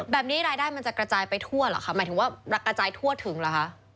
แบบนี้รายได้มันจะกระจายไปทั่วเหรอคะหมายถึงว่ากระจายทั่วถึงเหรอคะ